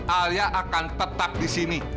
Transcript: alia akan tetap di sini